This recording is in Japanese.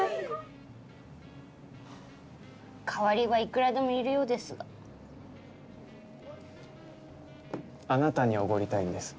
代わりはいくらでもいるようですがあなたにおごりたいんです